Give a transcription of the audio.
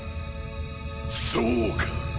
そうか。